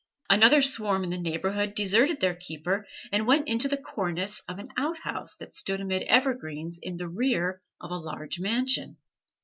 Another swarm in the neighborhood deserted their keeper and went into the cornice of an out house that stood amid evergreens in the rear of a large mansion.